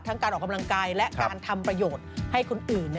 การออกกำลังกายและการทำประโยชน์ให้คนอื่น